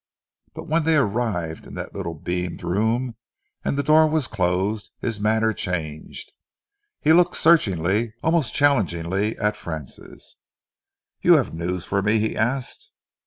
But when they arrived in the little beamed room and the door was closed, his manner changed. He looked searchingly, almost challengingly at Francis. "You have news for me?" he asked.